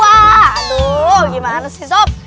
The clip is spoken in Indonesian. aduh gimana sih sob